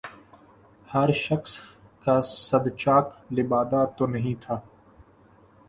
ہر شخص کا صد چاک لبادہ تو نہیں تھا